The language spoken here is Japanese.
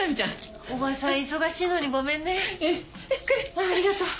あありがとう。